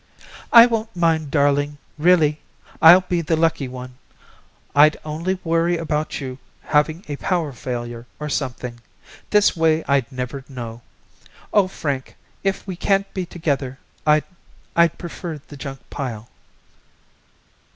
"I won't mind, darling, really. I'll be the lucky one. I'd only worry about you having a power failure or something. This way I'd never know. Oh, Frank, if we can't be together I'd I'd prefer the junk pile."